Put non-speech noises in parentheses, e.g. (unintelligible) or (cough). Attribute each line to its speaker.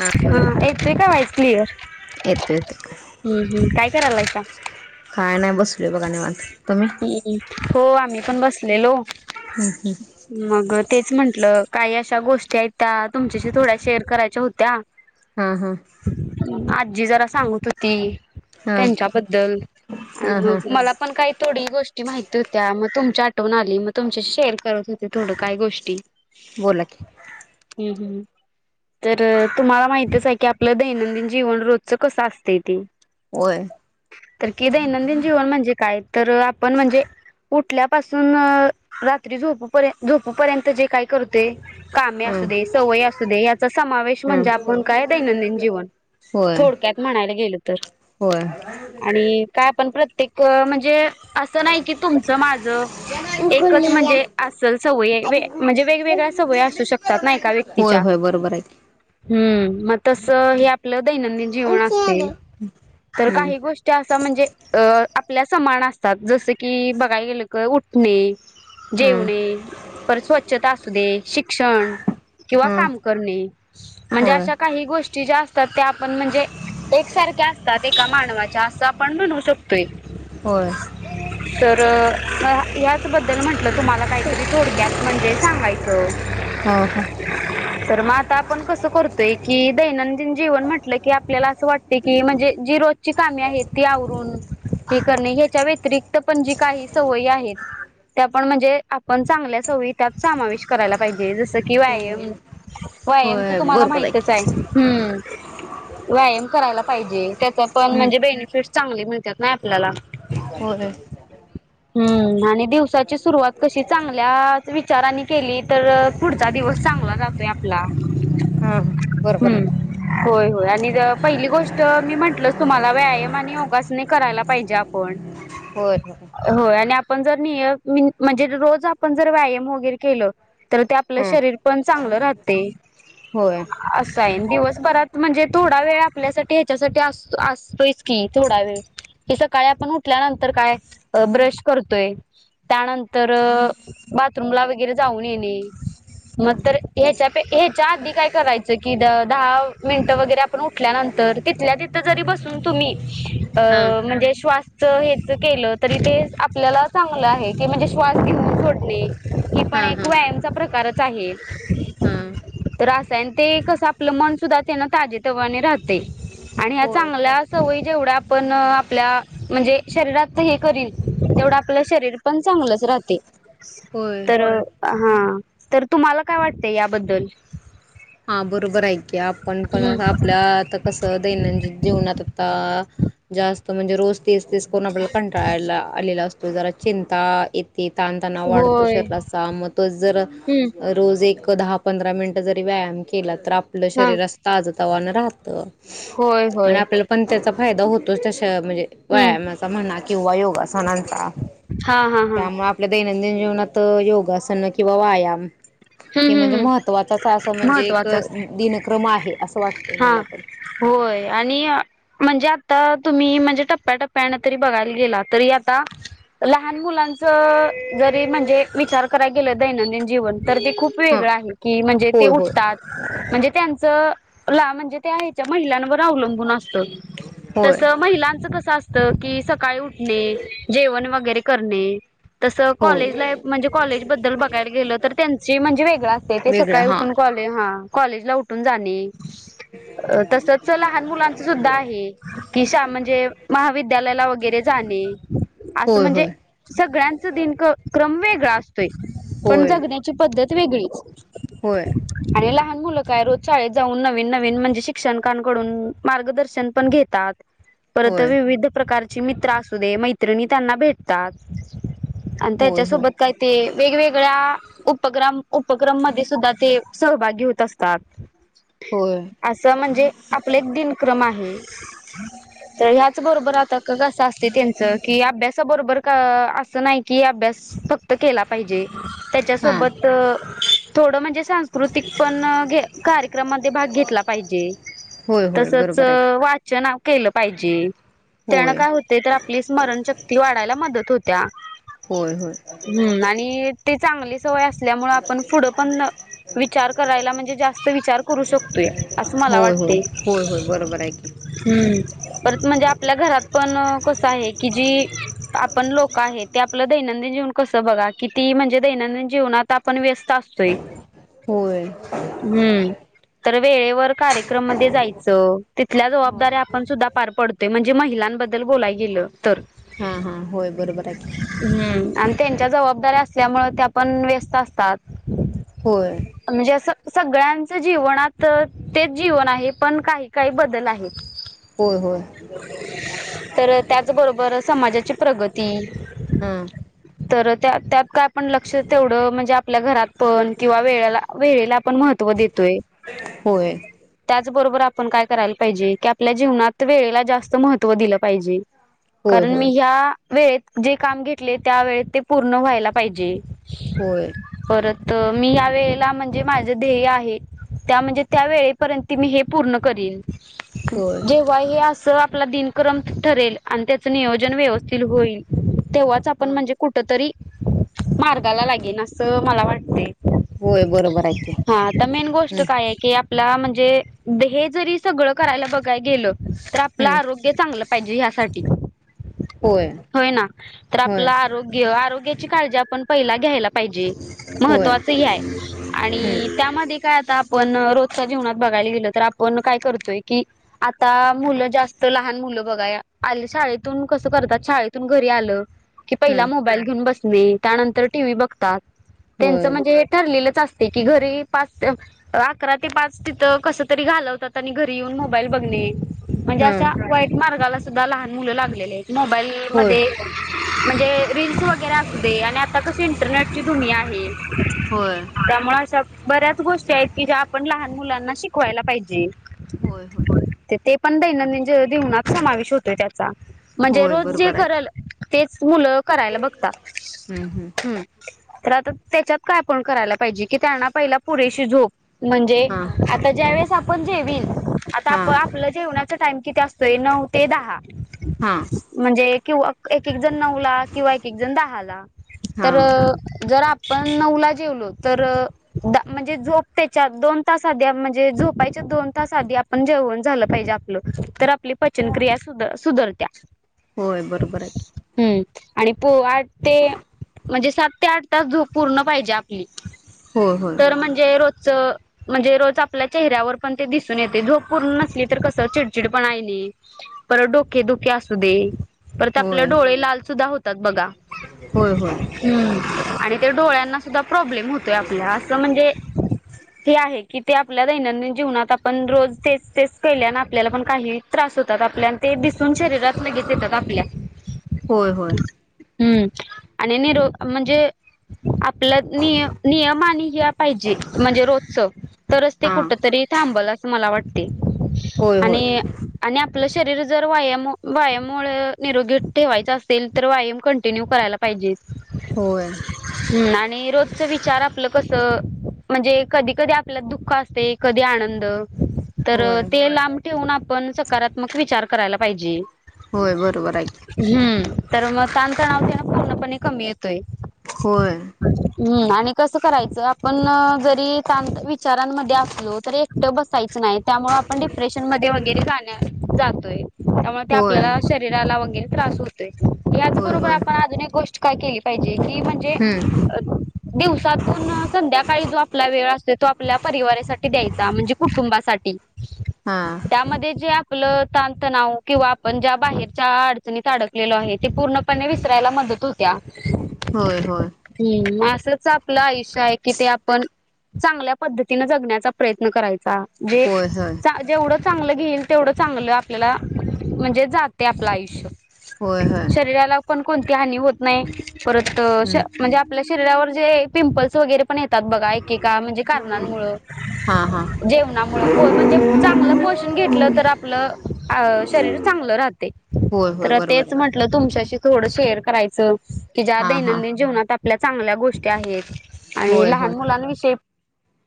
Speaker 1: हा एकच आहे का व्हायच्लिअर.
Speaker 2: येतो येतो
Speaker 1: हम्म हम्म काय करायलाय का.
Speaker 2: काय नाही बसतुले बघाने मात.
Speaker 1: हम्म हो आम्ही पण बसलेलो.
Speaker 2: हम्म हम्म.
Speaker 1: मग तेच म्हंटलं काही अशा गोष्टी आहेत त्या तुमच्याशी थोड्या शेअर करायच्या होत्या.
Speaker 2: हा हा.
Speaker 1: आजी जरा सांगत होती
Speaker 2: हा
Speaker 1: त्यांच्याबद्दल आणि
Speaker 2: हा हा
Speaker 1: मग मला पण काय. थोडी गोष्टी माहिती होत्या मग तुमच्या आठवून आली मग तुमच्याशी शेअर करत होते थोड काय गोष्टी.
Speaker 2: बोला की-
Speaker 1: हम्म हम्म तर तुम्हाला माहितच आहे की आपलं दैनंदिन जीवन रोजच कसं असतय ते.
Speaker 2: होय
Speaker 1: तर कि दैनंदिन जीवन म्हणजे काय तर आपण म्हणजे- उठल्यापासून अं रात्री झोपूपर- झोपूपर्यंत जे काय करते. कामे असू
Speaker 2: हं
Speaker 1: दे, सवय असू दे, याचा समावेश म्हणजे
Speaker 2: हं
Speaker 1: आपण काय दैनंदिनजिवन
Speaker 2: होय
Speaker 1: थोडक्या- त म्हणायला गेल तर.
Speaker 2: होय-
Speaker 1: आणि का पण प्रत्येक म्हणजे आसं नाही कि तुमचं माझं. एकच
Speaker 2: गुलिया
Speaker 1: म्हणजे आसल सवय
Speaker 2: आणि
Speaker 1: म्हणजे वे वेगवेगळ्या
Speaker 2: गुली
Speaker 1: सवयी असू शकतात ना एका
Speaker 2: होय
Speaker 1: व्यक्तीच्या.
Speaker 2: होय बरोबर की
Speaker 1: हुं मग तस हे आपलं दैनंदिन जीवन
Speaker 2: आमची
Speaker 1: असतेय.
Speaker 2: आले
Speaker 1: तर
Speaker 2: हं
Speaker 1: काही गोष्टी असं म्हणजे अं आपल्या समाना- जस की बघाय गेलं की उठणे
Speaker 2: हं
Speaker 1: जेवणे, पर स्वच्छता असू दे, शिक्षण. किंवा
Speaker 2: हं
Speaker 1: काम करणे, म्हणजे
Speaker 2: होय
Speaker 1: अशा काही गोष्टी ज्या- तर त्या आपण म्हणजे, एकसारख्या असतात एका मानवाच्या असं आपण म्हणू शकतोय.
Speaker 2: होय-
Speaker 1: तर- आं ह्याचबद्दल म्हंटलं तुम्हाला काहीतरी थोडक्यात म्हणजे सांगायचं.
Speaker 2: हां हां
Speaker 1: तर मग आता आपण कसं करतोय, की दैनंदिन जीवन म्हटलं की आपल्याला असं वाटत की म्हणजे जी रोजची का- मे आहेत ती आवरून हे करणे हेच्या व्यतिरिक्त पण जी काही सवयी आहेत- त्यां पण म्हणजे आपण चांगल्या सवयी त्यात सामावेश करायला पाहिजे जसं की व्यायम- व्यायम तर
Speaker 2: होय
Speaker 1: तुम्हाला
Speaker 2: बरोबर
Speaker 1: माहितच आहे.
Speaker 2: की
Speaker 1: हुं व्यायम करायला पाहिजे. त्याच पण
Speaker 2: हं
Speaker 1: म्हणजे बेनिफिट चांगले मिळत्यात ना आपल्याला.
Speaker 2: होय-
Speaker 1: हुं आणि दिवसाची सुरुवात कशी चांगल्याच विचारानी केली तर पुढचा दिवस- चांगला जातोय आपला.
Speaker 2: हा बरोबर आहे
Speaker 1: हुं
Speaker 2: की
Speaker 1: होय- होय आणि पहिली गोष्ट मी म्हंटल- तुम्हाला व्यायम आणि योगासने करायला पाहिजे आपण.
Speaker 2: होय ओ
Speaker 1: पण जर निय म म्हणजे रोज आपण जर व्यायाम वगैरे केल तर ते आपलं
Speaker 2: हं
Speaker 1: शरीर पण- चांगल राहतय
Speaker 2: होय
Speaker 1: असाय दिवस- परत म्हणजे थोडा वेळ आपल्यासाठी ह्याच्यासाठी आस -असतोयच की थोडा वेळ. कि सकाळी आपण उठल्यानंतर काय अं ब्रश करतोय. त्यानंतर बाथरूमला वगैरे जाऊन येणे. मग तर ह्याच्यात ह्याच्या आधी काय करायचं की द दहा मिनटं वगैरे आपण उठल्यानं- तर तिथल्या तिथं जरी बसून तुम्ही
Speaker 2: हां
Speaker 1: अं म्हणजे श्वासच हे- त केल तरी ते आपल्याला चांगल आहे की म्हणजे श्वास घेऊन सोडणे हे पण
Speaker 2: हां
Speaker 1: एक
Speaker 2: हां
Speaker 1: व्याय- म चा प्रकारच आहे.
Speaker 2: हां
Speaker 1: तर असायन ते कसं आपलं मन सुद्धा त्यांन ताजेतवाने राहते आणि ह्या
Speaker 2: होय
Speaker 1: चांगल्या सवयी जेवढ्या आपण आपल्यां म्हणजे- शरीरात हे करील तेवढं आपलं शरीर पण चांगलंच राहते.
Speaker 2: होय
Speaker 1: तर हां तर तुम्हाला काय वाटत याबद्दल?
Speaker 2: हां बरोबर हाय की आपण पण
Speaker 1: हम्म
Speaker 2: आता आपल्या आं कसं दैनंदिन जीवनात आता- जास्त म्हणजे रोज तेच तेच करून आपल्याला कंटाळायला यलेला -आलेला असतो जरा चिंता ये- ते ताणतणा वाढतो
Speaker 1: होय
Speaker 2: शरीराचा, मग तोच जर
Speaker 1: हम्म
Speaker 2: रोज एक- दहा पंधरा मिनिटं जरी व्यायाम केला, तर आपलं
Speaker 1: हा
Speaker 2: शरीर असं ताज तवानं राहतं.
Speaker 1: होय
Speaker 2: आणि
Speaker 1: होय
Speaker 2: आपल्याला पण त्याचा फायदा होतोच त्याशा म्हणजे
Speaker 1: हम्म
Speaker 2: व्यायामाचा म्हणा किंवा योगा- सनांचा
Speaker 1: हा हा हा हम्म
Speaker 2: त्यामुळे आपल्या दैनंदिन- ेवत योगासन किंवा व्यायाम हे
Speaker 1: हम्म
Speaker 2: म्हणजे
Speaker 1: हम्म
Speaker 2: महत्त्वाचा असं म्हणजे क
Speaker 1: महत्त्वाचं असतं
Speaker 2: दिनक्रम आहे असं वाटतं
Speaker 1: हा होय आणि म्हणजे आता तुम्ही म्हणजे टप्प्याटप्प्यानं तरी बघायला गेला तरी आता लहान मुलांच जरी म्हणजे विचार करायला गेलं दैनंदिन जीवन तर ते खूप
Speaker 2: हा
Speaker 1: वेगळं आहे की म्हणजे ते
Speaker 2: होय होय
Speaker 1: उठतात म्हणजे त्यांचं ला म्हणजे ते हच्या महिलांवर अवलंबून असत
Speaker 2: होय
Speaker 1: तस महिलांचं कस असत कि सकाळी उठणे जेवण वगैरे करणे तसं कॉलेज
Speaker 2: होय
Speaker 1: लाईफ म्हणजे कॉलेज बद्दल बघायला गेलं तर त्यांची म्हणजे वेगळा असते ते
Speaker 2: वेगळं
Speaker 1: सकाळी
Speaker 2: हा
Speaker 1: उठून कॉल हा कॉलेज ला उठून जाणे
Speaker 2: ह
Speaker 1: अ तसच लहान मुलांच सुद्धा आहे की श म्हणजे महाविद्यालयाला वगैर अस
Speaker 2: होय
Speaker 1: म्हणजे
Speaker 2: होय
Speaker 1: सगळ्यांच दिन क्रम वेगळा पण
Speaker 2: होय
Speaker 1: जगण्याची पद्धत वेगळीच
Speaker 2: होय
Speaker 1: आणि लहान मुल काय रोज शाळेत जाऊन नवीन नवीन म्हणजे शिक्षणकांकडून मार्गदर्शन पण घेतात परत
Speaker 2: होय
Speaker 1: विविध प्रकारची मित्र असू दे मैत्रिणी त्यांना भेटतात अंत
Speaker 2: होय होय
Speaker 1: जसो बत कायत वेगवेगळ्या उपक्रम उपक्रम मध्ये सुद्धा ते सहभागी होत असतात
Speaker 2: होय
Speaker 1: असं म्हणजे आपला एक दिनक्रम आहे तर ह्याच बरोबर आता कस असते त्यांचं की अभ्यासाबरोबर असं नाही की अभ्यास फक्त केला पाहिजे त्याच्या
Speaker 2: हा
Speaker 1: सोबत थोड म्हणजे सांस्कृतिक पण घ कार म भाग घेतला पाहिजे
Speaker 2: होय होय
Speaker 1: तसच
Speaker 2: बरोबर आहे की
Speaker 1: वाचन केलं पाहिजे त्यानं
Speaker 2: होय
Speaker 1: काय होते तर आपली स्मरणशक्ती वाढायला मदत होत्या
Speaker 2: होय होय
Speaker 1: हम्म आणि ते चांगले णच कराण करू शकतो असं मला
Speaker 2: होय
Speaker 1: वाट
Speaker 2: होय होय होय बरोबर आहे की
Speaker 1: हम्म परत म्हणजे आपल्या घरात पण आहे क ज आपण लोक आप दनंदिन जीव क बघा क म्हणजे दन जीवनात आपण व्यस्त असतोय
Speaker 2: होय
Speaker 1: हम्म तर वेळेवर कार्यक्रम म जायचं तिथल्या
Speaker 2: हा
Speaker 1: जबाबदारी्या आपण सुद्धा पार पडतोय म्हणजे म
Speaker 2: हा हा होय बरोबर आहे की
Speaker 1: (unintelligible) जबाबदारी्या असल्यामुळे त्या पण व्यस्त असतात
Speaker 2: होय
Speaker 1: म्हणजे अस सगळ्यां जीवनात तेच जीवन आहे पण काही काही बदल आहे
Speaker 2: होय होय
Speaker 1: तर त्याचबरोबर समाजाची प्रगती
Speaker 2: हा
Speaker 1: तर त्या त्यात काय आपण लक्ष तेवढं म्हणजे आपल्या घरात पण किंवा वेळेला वेळेला आपण म्हहतो त्या
Speaker 2: होय
Speaker 1: त्याबरोबर आपण काय करायला पाहिजे की आपल्या जीवनात वेळेला जास्त महत्त्व दिलं पाहिजे
Speaker 2: होय
Speaker 1: कारण
Speaker 2: होय
Speaker 1: मी ह्या वेळेत जे काम घेतले त्या वेळेत ते पूर्ण व्हायला पाहिजे
Speaker 2: होय
Speaker 1: परत मी या वेळेला म्हणजे माझं ध्येय आहे त्या म्हणजे त्या वळेपर्यंत मी हे पूर्ण कर
Speaker 2: होय
Speaker 1: जेव्हा हे स आपला दिनक्रम ठरेल आणि त्याचं नियोजन व्यवस्थित होईल तेव्हाच आपण
Speaker 2: हा
Speaker 1: म्हणजे कुठ तरी मार्गाला लागेन असं मला वाटते
Speaker 2: होय बरोबर आहेके
Speaker 1: ष्ट काय की आपला म्हणजे हे जरी सगळं करायला बघाय गेलं तर आपलं आरोग्य चांगलं पाहिजे ह्यासाठी
Speaker 2: हो
Speaker 1: होय ना तर आपलं आरोग्य आरोग्याची काळजी आपण पहिला घ्यायला पाहिजे म्हणजे महत्
Speaker 2: होय
Speaker 1: त्वाच हे आहे आणि
Speaker 2: हम्म
Speaker 1: त्यामध्ये काय पण रोजच्या जीवत बघायला गेलं तर आपण काय करतोय की आता मुलं जास्त लहान मुलं बघा या आणि शाळेतून कस करतात शाळेतून घरी आलं की
Speaker 2: हा
Speaker 1: पहिला मोबाईल घेऊन बसणे त्यानंतर टीव्ही बघतात त्यांचं
Speaker 2: होय
Speaker 1: म्हणजे हे ठरलेलंच असत कि घरी पाच ते अकरा ते पाच तिथं कस तरी घालवतात आणि घरी येऊन मोबाईल बघणे म्हणजे
Speaker 2: हा
Speaker 1: अशा वाईट मार्गाला सुद्धा लहान मुलं लागलेले आहेत मोबाईल
Speaker 2: होय
Speaker 1: मध्ये म्हणजे रीलस वगैरे असू दे आणि आता कशी इंटरनेटची दुनिया आहे
Speaker 2: होय
Speaker 1: त्यामुळ अशा बऱ्याच गोष्टी आहेत की ज्या आपण लहान मुलांना शिकवायला पाहिजे
Speaker 2: होय होय
Speaker 1: तर ते पण दैनंदिन ज.. जीवनात समावेश होतोय त्याचा म्हणजे
Speaker 2: होय
Speaker 1: रोज जे
Speaker 2: बरोबर आहे की
Speaker 1: करल तेच मुलं करायला
Speaker 2: हम्म हम्म
Speaker 1: बघतात हम् तर आता त्याच्यात काय आपण करायला पाहिजे की त्यांना पहिला पुरेशी झोप म्हणजे
Speaker 2: हा
Speaker 1: आता ज्या वेळेस आपण जेवील आता
Speaker 2: हा
Speaker 1: आप आपलं जेवणाच टाईम किती असतोय नऊ ते दहा
Speaker 2: हा
Speaker 1: म्हणजे किंवा काय एकएकदा जन नऊला किंवा एक एकजन दहाला
Speaker 2: हा
Speaker 1: तर जर आप पण नऊला जेवलो तर दा म्हणजे झोप त्याच्या दोन तास आधी म्हणजे झोपायच्या दोन तास आधी आपण जेवण झालं पाहिजे आपलं तर आप ली पचनक्रिया सुध. सुधरत्या
Speaker 2: होय बरोबर आहे
Speaker 1: हम्म आणि पो आठ ते म्हणजे सात ते आठ तास झोप पूर्ण पाहिजे आपली
Speaker 2: होय होय
Speaker 1: तर म्हणजे रोज अ. म्हणजे रोज आपल्या चेहऱ्यावर पण ते दिसून येते झोप पूर्ण नसली तर कस चिडचिड पणा लई परत डोके दुखे असू दे परत आपलं डोळे लाल सुद्धा होतात बघा
Speaker 2: होय होय
Speaker 1: हम आणि ते डोळ्यांना सुद्धा प्रॉब्लेम होतोय आपल्या असं म्हणजे हे आहे की ते आपल्या दैनंदिन जीवनात आपण रोज तेच तेच केल्यान आपल्याला पण काही त्रा स होतात आपल्या अन ते दिसून शरीरात लगेच येतात आपल्या
Speaker 2: होय होय
Speaker 1: हम आणि निरो म्हणजे आप आपल्यात निय नियम आणि हे पाहिजे म्हणजे रोजचं तरच ते
Speaker 2: हा
Speaker 1: कुठ तरी थांबल असं मला वाटत
Speaker 2: होय होय
Speaker 1: आणि आणि आ पलं शरीर जर वायम वायममुळें निरोगी ठेवायचं असेल तर वायम कंटिन्यू करायला पाहिजे
Speaker 2: होय
Speaker 1: हम् आणि रोजच विचार आपलं कस म्हणजे कधी कधी आपल्यात दुःख असतय कधी आनंद तर
Speaker 2: होय
Speaker 1: ते लांब ठेऊन आपण सकारात्मक विचार करायला पाहिजे
Speaker 2: होय बरोबर आहे की
Speaker 1: हम् तर मग ताणतणाव तेन पूर्णपणे कमी येतोय
Speaker 2: होय
Speaker 1: हम्म आणि कसं करायचं आपण जरी ताण विचारांमध्ये असलो तरी एकटं बसायच नाही त्यामुळे आपण डिप्रेशन मध्ये वगैरे जाण्या जातोय त्यामुळे ते
Speaker 2: होय
Speaker 1: आपल्याला शरीराला वगैरे त्रास होतोय
Speaker 2: होय
Speaker 1: याचबरोबर
Speaker 2: होय
Speaker 1: आता आजून एक गोष्ट काय केली पाहिजे की म्हणजे
Speaker 2: हम्म
Speaker 1: दिवसातून संध्याकाळी जो आपला आसतोय तो आपल्या परिवारासाठी द्यायचा म्हणजे कुटुंबासाठी
Speaker 2: हा
Speaker 1: त्यामध्ये जे आप पलं तणतणाव किंवा आपण ज्या बाहेरच्या अडचणीत अडकलेलो आहे ते पूर्णपणे विसरायला मदत हो त्या
Speaker 2: होय होय
Speaker 1: हम् असच आपलं आयुष्य आहे कि ते आपण चांगल्या पद्धतीन जगण्याचा प्रयत्न करायचा जे
Speaker 2: होय होय
Speaker 1: चा जेवढं चांगलं घेईल तेवढ चांगलं आपल्याला म्हणजे जातय आपलं आयुष्य
Speaker 2: होय होय
Speaker 1: शरीराला पण कोणती हानी होत नाही परत श.
Speaker 2: हम्म
Speaker 1: म्हणजे आपल्या शरीरावर पिंपल्स वगैरे पण येतात बघा एकेका म्हणजे कारणमुळे
Speaker 2: हा हा
Speaker 1: जेवणामुळे म्हणजे चांगलं पोषण घेतलं तर आपलं शरीर चांगलं राहत
Speaker 2: होय होय बरोबर
Speaker 1: तेच
Speaker 2: आहे.
Speaker 1: म्हटल तुमच्याशी थोडं शेअर करायचं की ज्या
Speaker 2: हा हा
Speaker 1: दैनंदिन जीवनात आपल्या चांगल्या गोष्टी आहेत आणि
Speaker 2: होय
Speaker 1: लहान
Speaker 2: होय.
Speaker 1: मुलांना विषयी